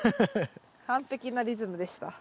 完璧なリズムでした。